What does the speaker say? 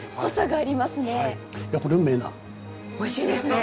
おいしいですね。